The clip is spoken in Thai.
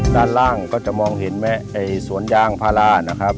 ด้านล่างก็จะมองเห็นไหมไอ้สวนยางพารานะครับ